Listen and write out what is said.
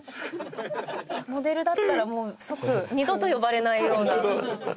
モデルだったらもう即二度と呼ばれないような。